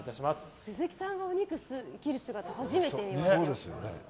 鈴木さんがお肉切る姿初めて見ます。